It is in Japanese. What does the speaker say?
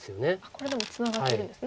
これでもツナがってるんですね